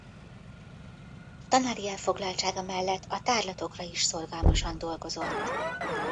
Tanári elfoglaltsága mellett a tárlatokra is szorgalmasan dolgozott.